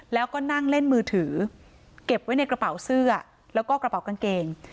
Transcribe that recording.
แล้วก็นั่งเล่นมือถือเก็บไว้ในกระเป๋าเสื้อแล้วก็กระเป๋ากางเกง